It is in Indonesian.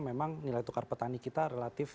memang nilai tukar petani kita relatif